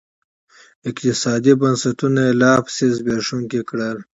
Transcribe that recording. اقتصادي بنسټونه یې لاپسې زبېښونکي کړل.